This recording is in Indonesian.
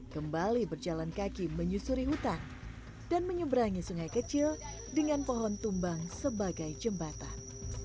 kembali berjalan kaki menyusuri hutan dan menyeberangi sungai kecil dengan pohon tumbang sebagai jembatan